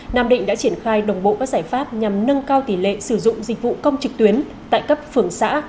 nam định đã triển khai đồng bộ các giải pháp nhằm nâng cao tỷ lệ sử dụng dịch vụ công trực tuyến tại cấp phường xã